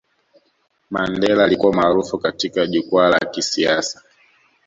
mandela alikuwa maarufu katika jukwaa la kisiasa